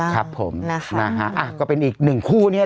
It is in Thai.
พี่ขับรถไปเจอแบบ